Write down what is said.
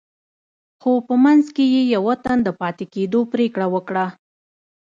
خو په منځ کې يې يوه تن د پاتې کېدو پرېکړه وکړه.